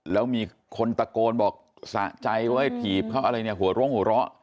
แล้วมีคนตะโกนบอกสะใจว่าไอ้ถีบเขาอะไรเนี่ยหัวโรงหัวเราะ